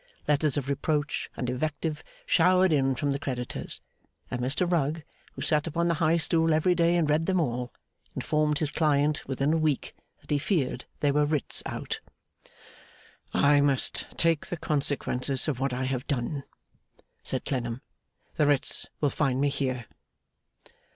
Letters of reproach and invective showered in from the creditors; and Mr Rugg, who sat upon the high stool every day and read them all, informed his client within a week that he feared there were writs out. 'I must take the consequences of what I have done,' said Clennam. 'The writs will find me here.